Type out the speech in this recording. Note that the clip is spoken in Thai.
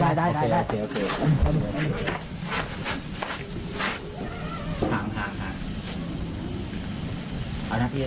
เอานะพี่จับข้าวหัว